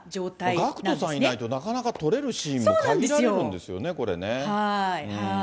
ＧＡＣＫＴさんいないとなかなか撮れるシーンも限られるんですよね、これね。